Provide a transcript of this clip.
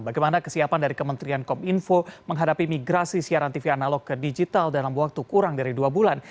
bagaimana kesiapan dari kementerian kominfo menghadapi migrasi siaran tv analog ke digital dalam waktu kurang dari dua bulan